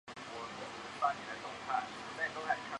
朱元璋又派所俘纳哈出部将乃剌吾携带玺书前去谕降。